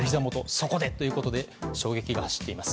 そこでということで衝撃が走っています。